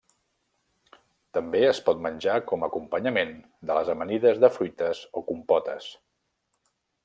També es pot menjar com acompanyament de les amanides de fruites o compotes.